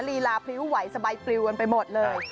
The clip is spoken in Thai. ลีลาพริ้วไหวสบายปลิวกันไปหมดเลย